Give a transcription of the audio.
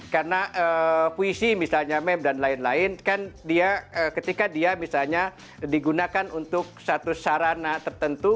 karena puisi misalnya meme dan lain lain kan dia ketika dia misalnya digunakan untuk satu sarana tertentu